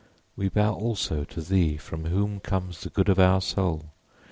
] _We bow also to thee from whom comes the good of our soul.